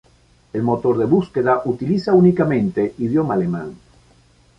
El motor de búsqueda utiliza únicamente idioma alemán.